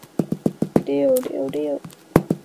姑田镇是福建省龙岩市连城县下辖的一个镇。